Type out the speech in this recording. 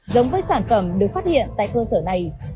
giống với sản phẩm được phát hiện tại cơ sở này